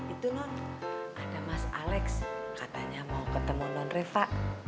itu loh ada mas alex katanya mau ketemu non reva